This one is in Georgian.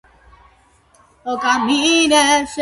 გავრცელებულია ევროპაში, ჩრდილოეთ ამერიკაში, აზიაში.